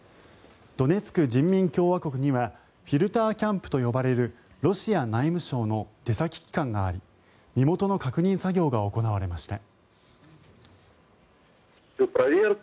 ドネツク人民共和国にはフィルターキャンプと呼ばれるロシア内務省の出先機関があり身元の確認作業が行われました。